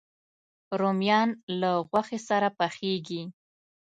رومیان له غوښې سره پخېږي